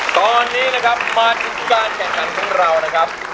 ตอนนี้มาเป็นการแก่นฝันของเรา